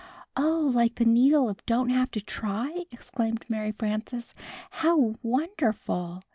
"Oh, hke the Needle of Don't Have to Try!" ex claimed Mary Frances. "How wonderful!